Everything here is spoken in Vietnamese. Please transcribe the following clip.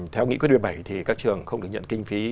theo nghị quyết định bảy thì các trường không được nhận kinh phí